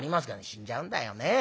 「死んじゃうんだよねえ。